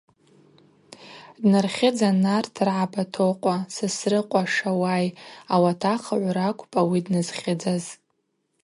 Днархьыдзан нартргӏа Батокъва, Сосрыкъва, Шауай, ауат ахыгӏв ракӏвпӏ ауи дназхьыдзаз.